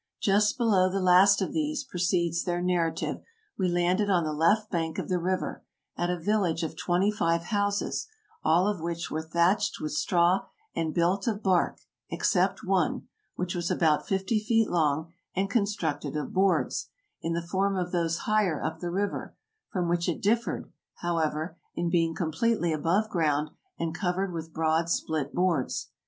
"Just below the last of these," proceeds their narrative, "we landed on the left bank of the river, at a village of twenty five houses, all of which were thatched with straw and built of bark except one, which was about fifty feet long and con structed of boards, in the form of those higher up the river, from which it differed, however, in being completely above ground and covered with broad, split boards.